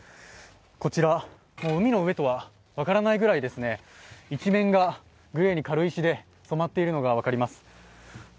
こちら海の上とは分からないぐらい一面がグレーに軽石で染まっているのが分かります。